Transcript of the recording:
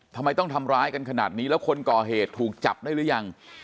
ทำไมต้องทำร้ายกันขนาดนี้แล้วคนก่อเหตุถูกจับได้หรือยัง